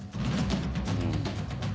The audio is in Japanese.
うん。